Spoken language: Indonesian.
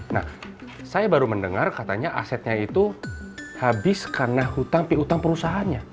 nah saya baru mendengar katanya asetnya itu habis karena hutang pihutang perusahaannya